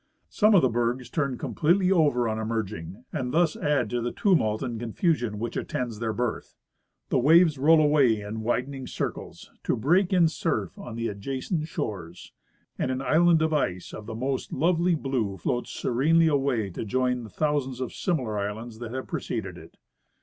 Some of the bergs turn completely over on emerging, and thus add to the tumult and confusion that attends their birth. The waves roll away in widening circles, to break in surf on the adjacent shores, and an island of ice of the most lovely blue floats serenely away to join the thousands of similar islands that have preceded it.